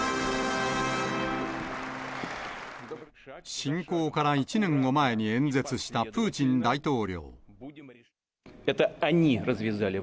侵攻から１年を前に演説したプーチン大統領。